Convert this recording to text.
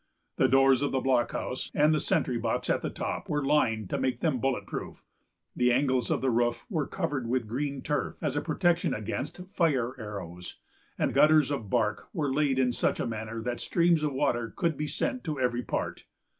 The doors of the blockhouse, and the sentry box at the top, were lined to make them bullet proof; the angles of the roof were covered with green turf as a protection against fire arrows, and gutters of bark were laid in such a manner that streams of water could be sent to every part.